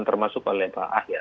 termasuk oleh pak ayer